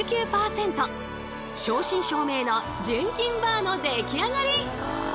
正真正銘の純金バーの出来上がり！